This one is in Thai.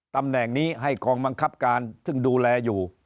ตำแหน่งนี้ให้กองบังคับการซึ่งดูแลอยู่